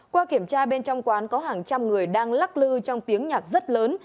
qua kiểm tra bên trong quán có hàng trăm người đang lắc lư trong tiếng nhạc rất lớn